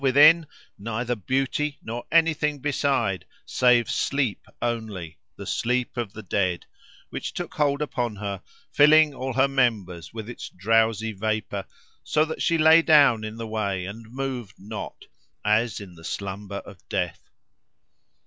within, neither beauty, nor anything beside, save sleep only, the sleep of the dead, which took hold upon her, filling all her members with its drowsy vapour, so that she lay down in the way and moved not, as in the slumber of death.